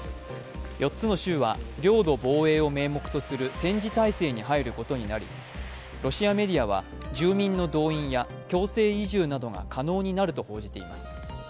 ４つの州は領土防衛を名目とする戦時体制に入ることになり、ロシアメディアは、住民の動員や強制移住などが可能になると報じています。